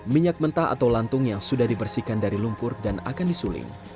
minyak mentah atau lantung yang sudah dibersihkan dari lumpur dan akan disuling